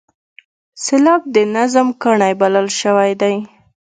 سېلاب د نظم کاڼی بلل شوی دی.